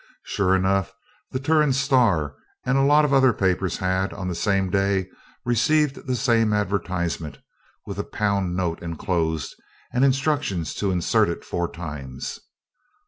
Sure enough, the 'Turon Star' and a lot of other papers had, on the same day, received the same advertisement, with a pound note enclosed, and instructions to insert it four times.